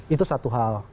itu satu hal